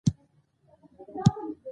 ناڅاپي پېښې پیسې غواړي.